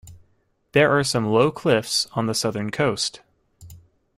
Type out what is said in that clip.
There are some low cliffs on the southern coast.